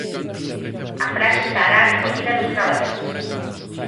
A frase estará recollida nos gravadores.